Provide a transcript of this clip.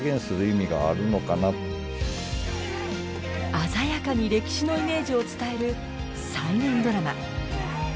鮮やかに歴史のイメージを伝える再現ドラマ。